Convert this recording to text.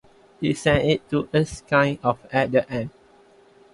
He sent it to us kind of at the end.